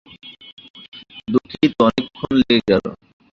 দুঃখিত, অনেকক্ষণ লেগে গেল।